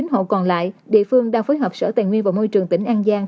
chín hộ còn lại địa phương đang phối hợp sở tài nguyên và môi trường tỉnh an giang